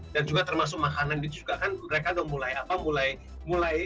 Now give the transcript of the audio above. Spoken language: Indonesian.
dan juga termasuk makanan juga kan mereka mulai apa mulai